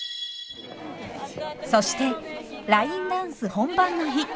そしてラインダンス本番の日。